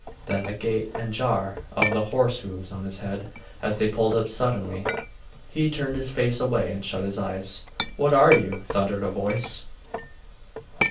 Then the grate and jar of the horse hoofs on the road, as they pulled up suddenly.... He turned his face away and shut his eyes.... 'What are you?' thundered a voice.